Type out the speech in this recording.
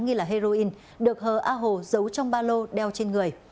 nghi là heroin được h a hồ giấu trong ba lô đeo trên người